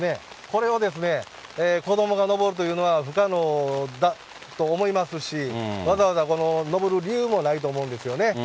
これを子どもが登るというのは、不可能だと思いますし、わざわざこの登る理由もないと思うんですよね。